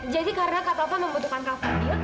jadi karena katovan membutuhkan kak fadil